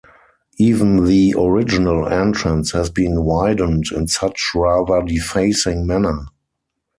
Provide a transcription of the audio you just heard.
Even the original entrance has been widened in such rather defacing manner.